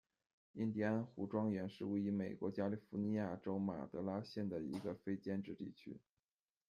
印第安湖庄园是位于美国加利福尼亚州马德拉县的一个非建制地区。